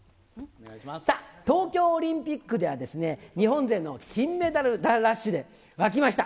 東京オリンピックでは、日本勢の金メダルラッシュで沸きました。